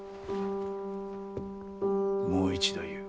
もう一度言う。